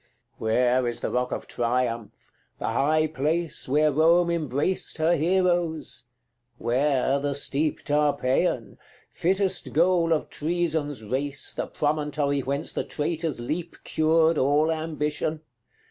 CXII. Where is the rock of Triumph, the high place Where Rome embraced her heroes? where the steep Tarpeian fittest goal of Treason's race, The promontory whence the traitor's leap Cured all ambition?